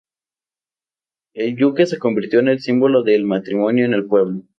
El yunque se convirtió en el símbolo del matrimonio en el pueblo.